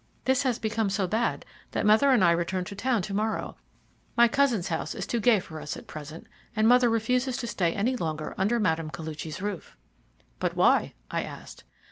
This has become so bad that mother and I return to town to morrow; my cousin's house is too gay for us at present, and mother refuses to stay any longer under Mme. Koluchy's roof." "But why?" I asked.